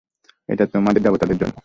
এটা তোমাদের দেবতার জন্য।